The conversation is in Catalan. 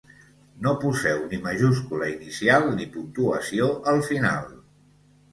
No poseu ni majúscula inicial ni puntuació al final.